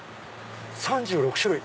３６種類。